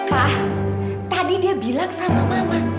kak tadi dia bilang sama mama